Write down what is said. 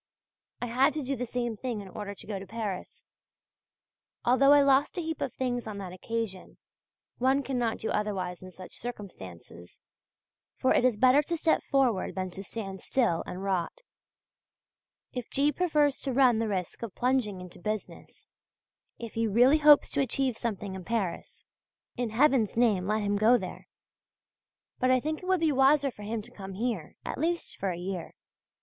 I had to do the same thing in order to go to Paris; although I lost a heap of things on that occasion, one cannot do otherwise in such circumstances. For it is better to step forward than to stand still and rot. If G. prefers to run the risk of plunging into business; if he really hopes to achieve something in Paris, in Heaven's name let him go there! But I think it would be wiser for him to come here, at least for a year.